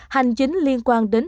hành chính liên quan đến